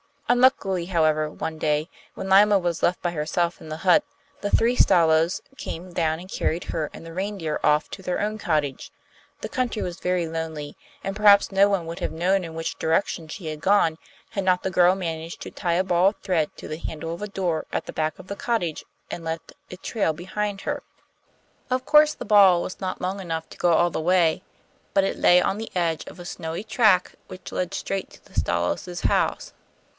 Unluckily, however, one day, when Lyma was left by herself in the hut, the three Stalos came down and carried her and the reindeer off to their own cottage. The country was very lonely, and perhaps no one would have known in which direction she had gone had not the girl managed to tie a ball of thread to the handle of a door at the back of the cottage and let it trail behind her. Of course the ball was not long enough to go all the way, but it lay on the edge of a snowy track which led straight to the Stalos' house.